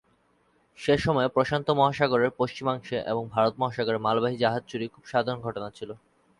সে সময়ে প্রশান্ত মহাসাগরের পশ্চিমাংশে এবং ভারত মহাসাগরে মালবাহী জাহাজ চুরি খুব সাধারণ ঘটনা ছিল।